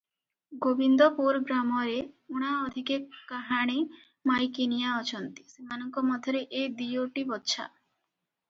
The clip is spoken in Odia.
ଗୋବିନ୍ଦପୁର ଗ୍ରାମରେ ଊଣା ଅଧିକେ କାହାଣେ ମାଈକିନିଆ ଅଛନ୍ତି, ସେମାନଙ୍କ ମଧ୍ୟରେ ଏ ଦିଓଟି ବଛା ।